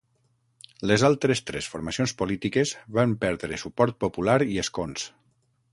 Les altres tres formacions polítiques van perdre suport popular i escons.